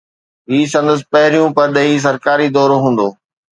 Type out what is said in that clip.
هي سندس پهريون پرڏيهي سرڪاري دورو هوندو